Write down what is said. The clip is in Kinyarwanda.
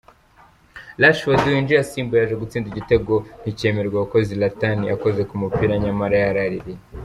Rashford winjiye asimbuye yaje gutsinda igitego ntikemerwa kuko Zlatan yakoze ku mupira nyamara yaraririye.